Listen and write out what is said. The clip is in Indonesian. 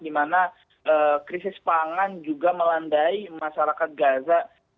di mana krisis pangan juga melandai masyarakat gaza